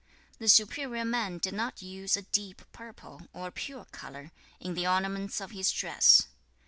The superior man did not use a deep purple, or a puce colour, in the ornaments of his dress.